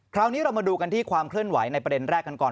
คราวนี้เรามาดูกันที่ความเคลื่อนไหวในประเด็นแรกกันก่อน